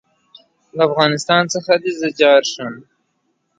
The award went to Clemence Dane, for "Vacation from Marriage".